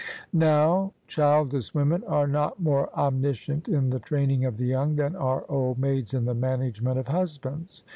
Now, childless women are not more omniscient in the training of the young than are old maids in the management of husbands.